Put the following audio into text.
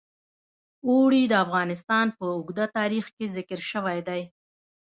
اوړي د افغانستان په اوږده تاریخ کې ذکر شوی دی.